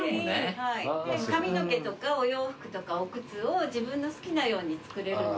髪の毛とかお洋服とかお靴を自分の好きなように作れるので。